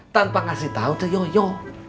tanpa ngasih tau ce yoyo